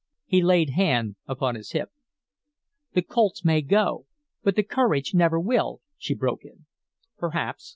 He laid hand upon his hip. "The Colts may go, but the courage never will," she broke in. "Perhaps.